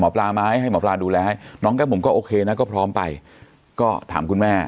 ปลาไหมให้หมอปลาดูแลให้น้องแก้มบุ๋มก็โอเคนะก็พร้อมไปก็ถามคุณแม่